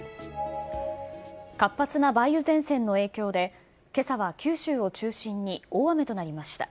活発な梅雨前線の影響で、けさは九州を中心に大雨となりました。